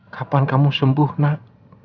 kapan kamu sembuh nak